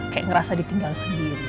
kayak ngerasa ditinggal sendiri